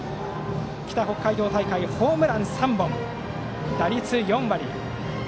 北北海道大会、ホームラン３本打率４割。